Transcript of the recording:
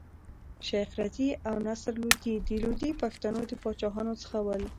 شېخ رضي او نصر لودي د لودي پښتنو د پاچاهانو څخه ول.